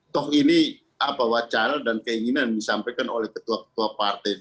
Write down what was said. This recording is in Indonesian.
talk ini wacana dan keinginan disampaikan oleh ketua ketua partai